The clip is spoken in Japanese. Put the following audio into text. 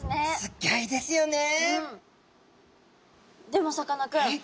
でもさかなクン